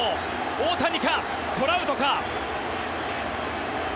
大谷か、トラウトか。